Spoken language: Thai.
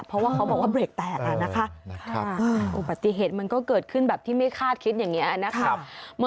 เพราะว่าเขาบอกว่าเบรกแตกนะคะอุบัติเหตุมันก็เกิดขึ้นแบบที่ไม่คาดคิดอย่างนี้นะคะ